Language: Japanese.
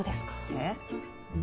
えっ？